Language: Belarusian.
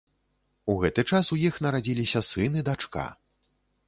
У гэты час у іх нарадзіліся сын і дачка.